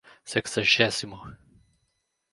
sexagésimo